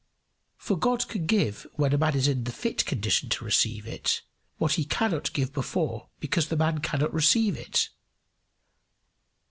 For God can give when a man is in the fit condition to receive it, what he cannot give before because the man cannot receive it.